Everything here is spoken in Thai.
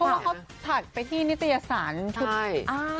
เขาถัดไปที่นิตยสรรใช่